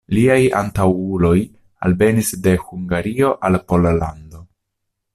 Liaj antaŭuloj alvenis de Hungario al Pollando.